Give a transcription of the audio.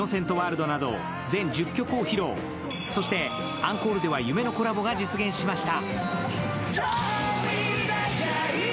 アンコールでは夢のコラボが実現しました。